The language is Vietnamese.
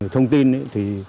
thông tin thì